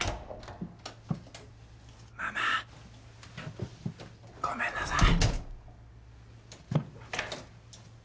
ママごめんなさい。